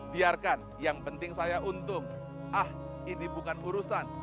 biarkan yang penting saya untung ah ini bukan urusan